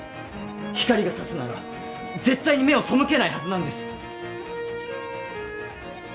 光がさすなら絶対に目を背けないはずなんです。